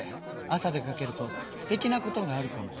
「朝出かけるとすてきなことがあるかも。